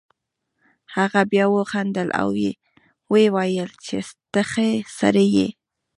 هغه بیا وخندل او ویې ویل چې ته ښه سړی یې.